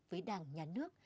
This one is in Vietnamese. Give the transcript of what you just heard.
với đảng nhà nước